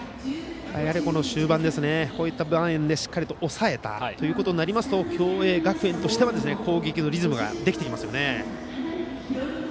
終盤のこういった場面でしっかりと抑えたとなると共栄学園としては攻撃のリズムができてきますからね。